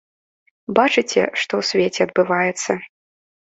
Бачыце, што ў свеце адбываецца?